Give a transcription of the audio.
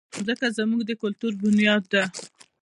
مځکه زموږ د کلتور بنیاد ده.